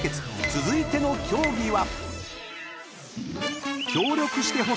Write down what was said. ［続いての競技は］